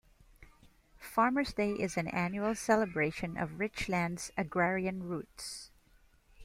Farmer's Day is an annual celebration of Richlands's agrarian roots.